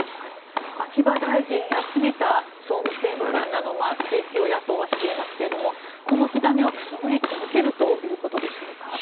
秋葉大臣や杉田総務政務官への追及を野党はしていますがこの火種はくすぶり続けるということでしょうか。